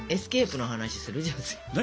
何？